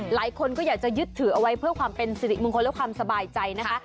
หลายคนก็อยากจะยึดถือเอาไว้เพื่อความเป็นสิริมงคลและความสบายใจนะคะ